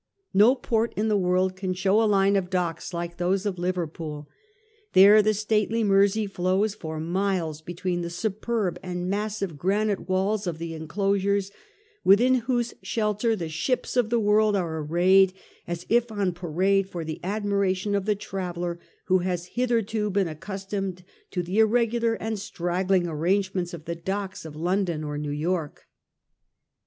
No port in the world can show a line of docks like those of Liverpool. There the stately Mersey flows for miles between the superb and massive granite walls of the enclosures within whose shelter the ships of the world are arrayed as if on parade for the admiration of the traveller who has hitherto been accustomed to the irregular and straggling arrangements of the docks of London or of New York.